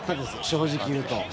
正直言うと。